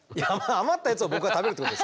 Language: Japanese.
余ったやつを僕が食べるってことですか？